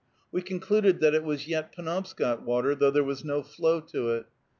We concluded that it was yet Penobscot water, though there was no flow to it.